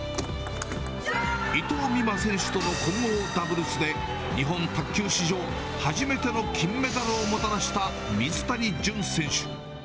伊藤美誠選手との混合ダブルスで、日本卓球史上、初めての金メダルをもたらした水谷隼選手。